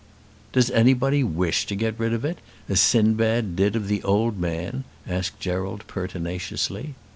"Does anybody wish to get rid of it, as Sindbad did of the Old Man?" asked Gerald pertinaciously.